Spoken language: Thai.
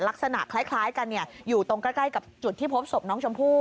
ลักษณะคล้ายกันอยู่ตรงใกล้กับจุดที่พบศพน้องชมพู่